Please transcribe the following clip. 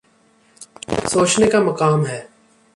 سوچنے کا مقام ہے۔